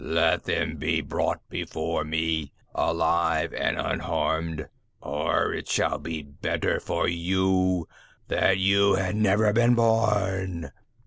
"_Let them be brought before me, alive and unharmed, or it shall be better for you had you never been born!